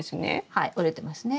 はい折れてますね。